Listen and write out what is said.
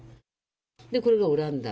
これがオランダ。